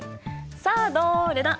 さあどれだ？